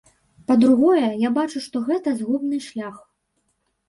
Па-другое, я бачу, што гэта згубны шлях.